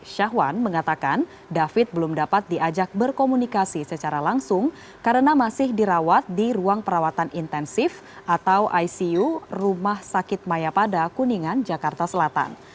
syahwan mengatakan david belum dapat diajak berkomunikasi secara langsung karena masih dirawat di ruang perawatan intensif atau icu rumah sakit mayapada kuningan jakarta selatan